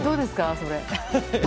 それ。